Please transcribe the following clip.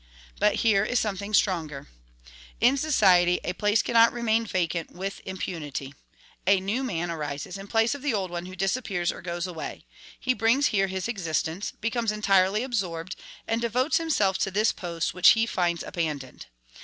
But here is something stronger: "In society a place cannot remain vacant with impunity. A new man arises in place of the old one who disappears or goes away; he brings here his existence, becomes entirely absorbed, and devotes himself to this post which he finds abandoned.